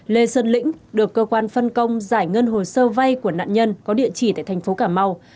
lê sơn lĩnh được cơ quan phân công giải ngân hồ sơ vay của nạn nhân có địa chỉ tại thành phố cà mau